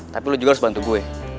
tapi lu juga harus bantu gue